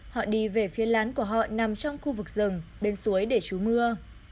họ đi về phía lán của họ nằm trong khu vực rừng bên suối để trú mưa